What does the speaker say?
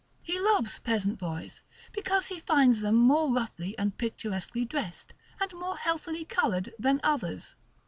He loves peasant boys, because he finds them more roughly and picturesquely dressed, and more healthily colored, than others.